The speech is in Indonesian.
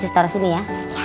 jus taruh sini ya